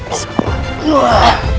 apa yang terjadi paman